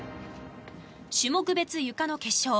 種目別ゆかの決勝。